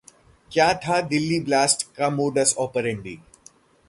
क्या था दिल्ली ब्लास्ट का मोडस ऑपरेंडी?